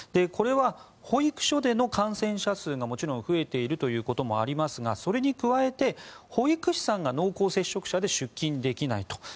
これは保育所での感染者数がもちろん増えているということもありますがそれに加えて保育士さんが濃厚接触者で出勤できないと。